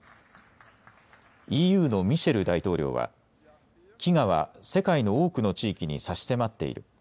ＥＵのミシェル大統領は飢餓は世界の多くの地域に差し迫っている。